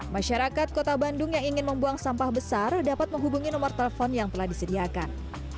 masyarakat kota bandung yang ingin membuang sampah besar dapat menghubungi nomor telepon yang telah disediakan